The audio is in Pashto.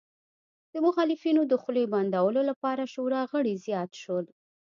د مخالفینو د خولې بندولو لپاره شورا غړي زیات شول